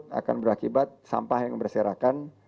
saya tidak ingin menggambarkan sampah yang berserakan